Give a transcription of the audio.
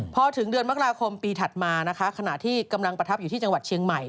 พอถึงเดือนมกลาคมปีถัดมาขณะที่กำลังประทับอยู่ที่เฉียงใหม่